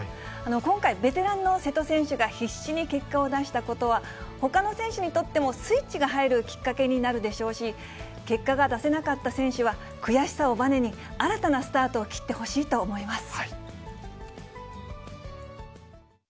今回、ベテランの瀬戸選手が必死に結果を出したことは、ほかの選手にとってもスイッチが入るきっかけになるでしょうし、結果が出せなかった選手は、悔しさをばねに、新たなスタートを切ってほしいと思います。